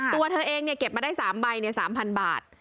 ตัวเธอเองเก็บมาได้๓ใบ๓๐๐บาท